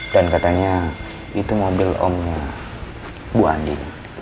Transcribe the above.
dan katanya itu mobil omnya bu andi